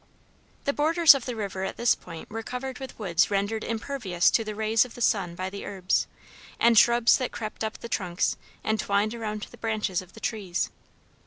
The borders of the river at this point were covered with woods rendered impervious to the rays of the sun by the herbs, and shrubs that crept up the trunks, and twined around the branches of the trees.